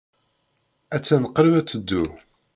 Attan qrib ad teddu.